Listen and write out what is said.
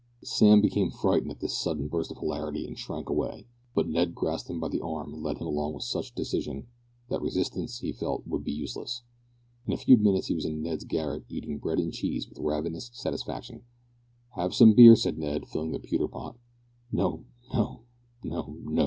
Sam became frightened at this sudden burst of hilarity, and shrank away, but Ned grasped him by the arm, and led him along with such decision, that resistance he felt would be useless. In a few minutes he was in Ned's garret eating bread and cheese with ravenous satisfaction. "Have some beer!" said Ned, filling a pewter pot. "No no no no!"